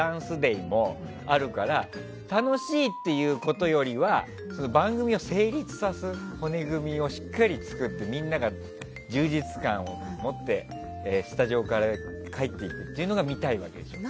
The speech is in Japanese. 「ＴＨＥＤＡＮＣＥＤＡＹ」もあるから楽しいっていうことよりは番組を成立させる骨組みをしっかり作ってみんなが充実感を持ってスタジオから帰っていくっていうのが見たいわけでしょ。